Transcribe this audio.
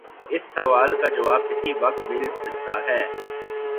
اس سوال کا جواب اسی وقت مل سکتا ہے۔